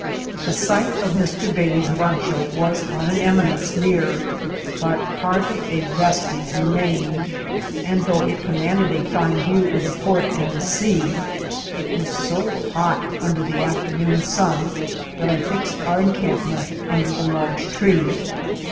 The site of Bfr* Bailey's rancho was on an eminence near, but hardly a ▼estige remained; and though it conunanded a fine view of the port and the sea, it was so hot under Uie af* temocMi sun that I fixed our encampment under the large tree.